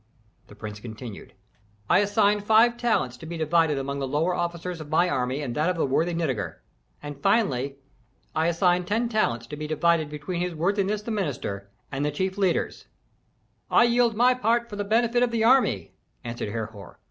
The prince continued, "I assign five talents to be divided among the lower officers of my army and that of the worthy Nitager. And finally I assign ten talents to be divided between his worthiness the minister and the chief leaders " "I yield my part for the benefit of the army," answered Herhor.